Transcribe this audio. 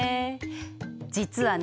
実はね